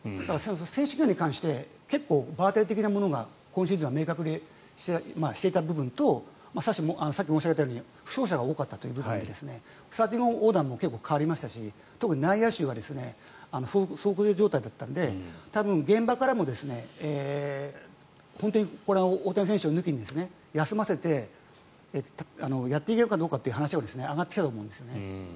選手起用に関しては結構場当たり的なものが今シーズン明確にしていたというのとさっき申し上げたように負傷者が多かったのでスターティングオーダーも変わって内野手は総崩れ状態だったので多分、現場からも大谷選手抜きに休ませてやっていけるかどうかという話が上がってきたと思うんです。